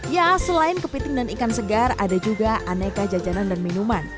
ya selain kepiting dan ikan segar ada juga aneka jajanan dan minuman